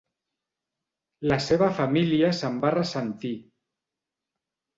La seva família se'n va ressentir.